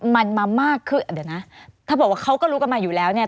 มันมามากขึ้นเดี๋ยวนะถ้าบอกว่าเขาก็รู้กันมาอยู่แล้วเนี่ย